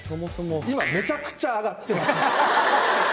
今、めちゃくちゃ上がってます。